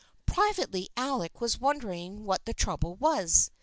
Privately Alec was wondering what the trouble was.